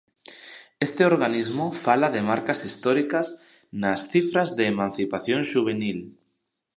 Este organismo fala de marcas históricas nas cifras de emancipación xuvenil.